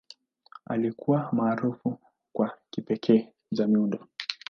Alikuwa maarufu kwa kipekee za miundo.